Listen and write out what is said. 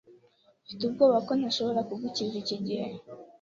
Mfite ubwoba ko ntashobora kugukiza iki gihe.